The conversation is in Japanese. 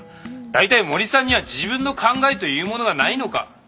大体森さんには自分の考えというものがないのか？